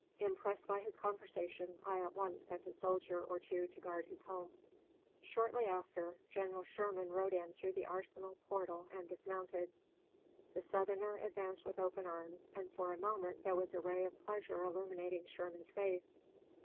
Impressed by his conversation, I at once sent a soldier or two to guard his home. Shortly after General Sherman rode in through the arsenal portal and dismounted. The Southerner advanced with open arms, and for a moment there was a ray of pleasure illuminating Sherman's face.